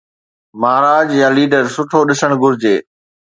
مهاراج يا ليڊر سٺو ڏسڻ گهرجي.